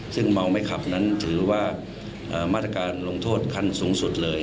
ซึ่งเมาไม่ขับนั้นถือว่ามาตรการลงโทษขั้นสูงสุดเลย